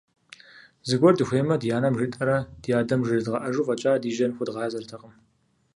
Зыгуэр дыхуеймэ, ди анэм жетӀэрэ ди адэм жредгъэӀэжу фӀэкӀа ди жьэ хуэдгъазэртэкъым.